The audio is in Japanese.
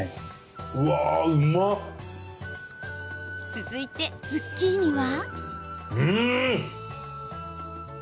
続いて、ズッキーニは？